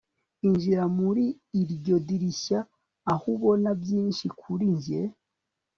Injira muri iryo dirishya aho ubona byinshi kuri njye